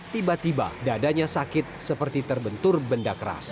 tiba tiba dadanya sakit seperti terbentur benda keras